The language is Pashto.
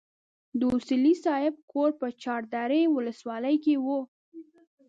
د اصولي صیب کور په چار درې ولسوالۍ کې وو.